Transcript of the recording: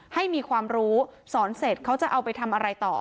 ให้มีความรู้สอนเสร็จเขาจะเอาไปทำอะไรต่อ